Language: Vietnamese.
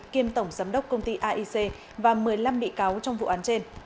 kiêm tổng giám đốc công ty aic và một mươi năm bị cáo trong vụ án trên